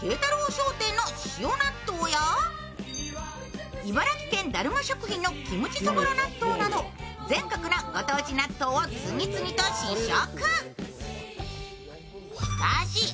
商店の塩納豆や茨城県だるま食品のキムチそぼろ納豆など全国のご当地納豆を次々と試食。